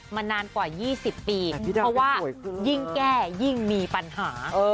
มานานกว่า๒๐ปีเพราะว่ายิ่งแก้ยิ่งมีปัญหา